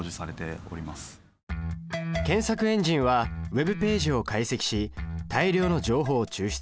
検索エンジンはＷｅｂページを解析し大量の情報を抽出。